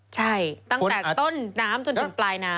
ใช่ตั้งแต่ต้นน้ำจนถึงปลายน้ำ